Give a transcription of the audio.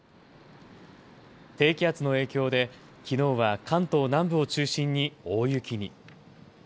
低気圧の影響で、きのうは関東南部を中心に大雪に。